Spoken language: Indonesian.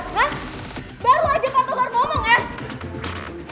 baru aja patogar ngomong eh